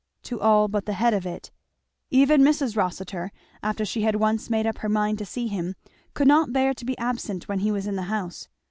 To all but the head of it. Even Mrs. Rossitur, after she had once made up her mind to see him, could not bear to be absent when he was in the house.